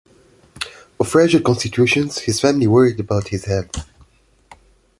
Of fragile constitution, his family worried about his health.